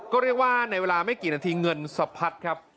ก็เรียกว่าในเวลาไม่กี่นาทีเงินสะพัดครับ